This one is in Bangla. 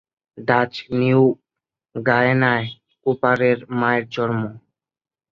ডাচ নিউ গায়ানায় কুপারের মায়ের জন্ম।